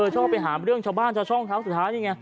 ชอบไปหาเรื่องชาวบ้านชาวช่องครั้งสุดท้ายนี่ไง